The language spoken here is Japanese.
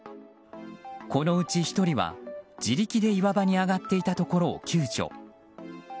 このうち１人は、自力で岩場に上がっていたところを救助。